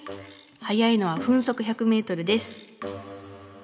速いのは分速１００ｍです。